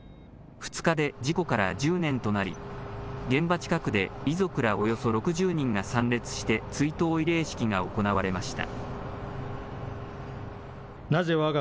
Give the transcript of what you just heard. ２日で事故から１０年となり、現場近くで遺族らおよそ６０人が参列して、追悼慰霊式が行われました。